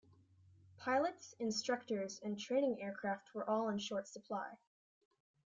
Pilots, instructors, and training aircraft were all in short supply.